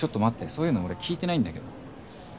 そういうの俺聞いてないんだけど。